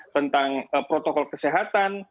tentang protokol kesehatan